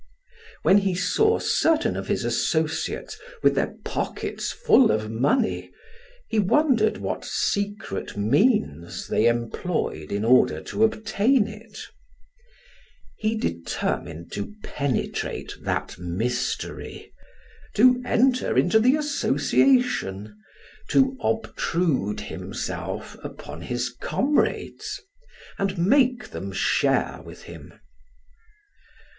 When he saw certain of his associates with their pockets full of money, he wondered what secret means they employed in order to obtain it. He determined to penetrate that mystery, to enter into the association, to obtrude himself upon his comrades, and make them share with him.